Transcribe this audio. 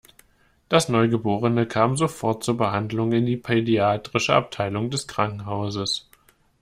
Das Neugeborene kam sofort zur Behandlung in die pädiatrische Abteilung des Krankenhauses.